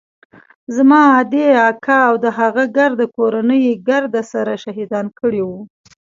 زما ادې اکا او د هغه ګرده کورنۍ يې ګرد سره شهيدان کړي وو.